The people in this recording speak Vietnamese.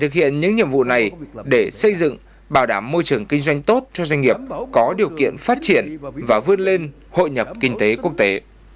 chính phủ sẽ tập trung kiến thảo môi trường kinh doanh minh bạch có điều kiện phát triển và vươn lên hội nhập kinh tế quốc tế